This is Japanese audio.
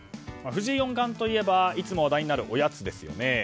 藤井四冠といえばいつも話題になるのはおやつですね。